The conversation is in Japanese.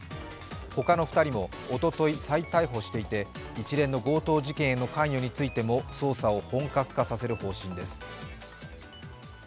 他の２人もおととい、再逮捕していて、一連の強盗事件への関与についても捜査を本格化させる方針です。